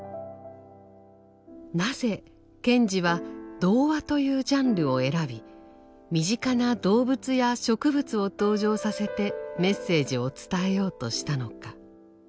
なぜ賢治は童話というジャンルを選び身近な動物や植物を登場させてメッセージを伝えようとしたのか。